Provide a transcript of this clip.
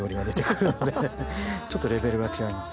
ちょっとレベルが違います。